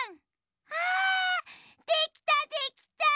あできたできた！